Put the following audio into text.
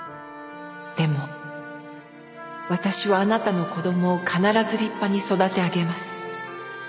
「でも私はあなたの子供を必ず立派に育て上げます」